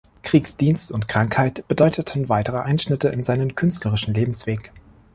Kriegsdienst und Krankheit bedeuteten weitere Einschnitte in seinen künstlerischen Lebensweg.